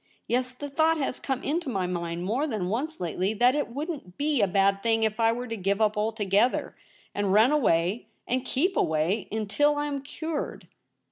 Yes, the thought has come into my mind more than once lately that it wouldn't be a bad thing if I were to give up altogether, and run away and keep away until I am cured.'